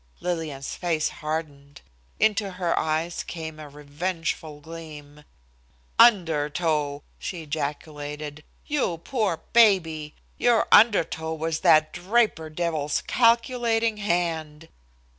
Lillian's face hardened. Into her eyes came a revengeful gleam. "Undertow!" she ejaculated, "you poor baby! Your undertow was that Draper devil's calculating hand!"